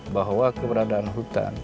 bahwa keberadaan hutan